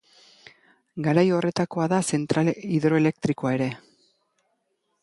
Garai horretakoa da zentrale hidroelektrikoa ere.